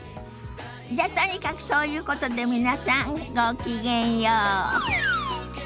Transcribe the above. じゃとにかくそういうことで皆さんごきげんよう。